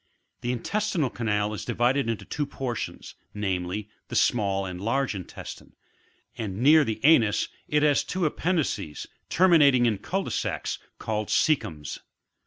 The intestinal canal is divided into two portions, namely, the small and the large intes tine, and near the anus, it has two appendices, terminating in cul de sacs, called coecums.